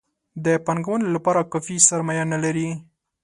د پانګونې لپاره کافي سرمایه نه لري.